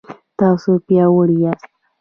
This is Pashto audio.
تاسو پیاوړي یاست